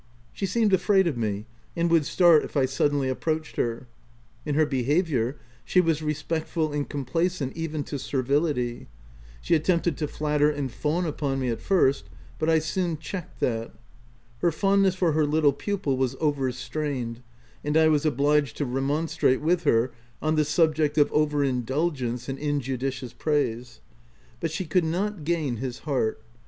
She seemed afraid of me, and would start if I suddenly approached her. In her behaviour, she was respectful and complaisant even to servility : she attempted to flatter and fawn upon me at first, but I soon checked that Her fondness for her little pupil was over strained, and I was obliged to remonstrate with her on the subject of over indulgence and in judicious praise; but she could not gain his 102 THE TENANT heart.